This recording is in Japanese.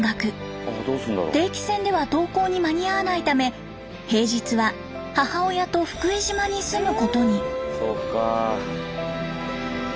定期船では登校に間に合わないため平日は母親と福江島に住むことに。